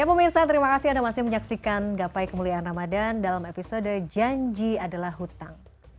ya pemirsa terima kasih anda masih menyaksikan gapai kemuliaan ramadan dalam episode janji adalah hutang